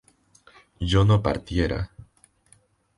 yo no partiera